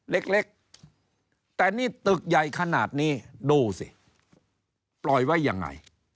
เล็กแต่นี่ตึกใหญ่ขนาดนี้ดูสิปล่อยไว้ยังไง